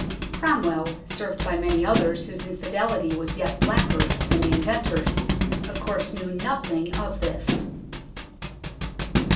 Cromwell, served by many others whose infidelity was yet blacker than the inventor's, of course knew nothing of this.